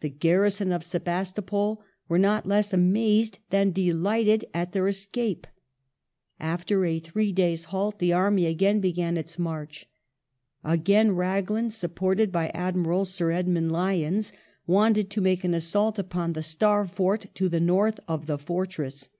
The garrison of Sebastopol were not less amazed than delighted at their escape. After a three days' halt the army again began its march. Again Raglan, supported by Admiral Sir Edmund Lyons, wanted to make an assault upon the Star Fort to the north of the fortress.